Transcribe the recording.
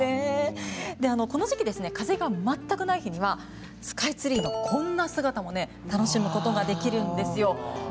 この時期風が全くない日にはスカイツリーの、こんな姿を楽しむことができるんです。